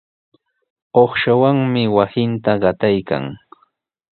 Uqshawanmi wasinta qataykan.